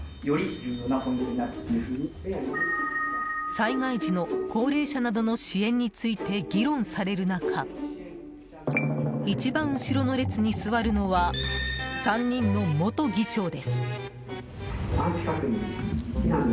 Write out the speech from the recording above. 災害時の高齢者などの支援について議論される中一番後ろの列に座るのは３人の元議長です。